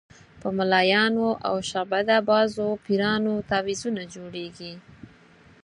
په ملایانو او شعبده بازو پیرانو تعویضونه جوړېږي.